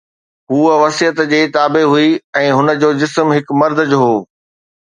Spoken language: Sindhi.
هوءَ وصيت جي تابع هئي ۽ هن جو جسم هڪ مرد جو هو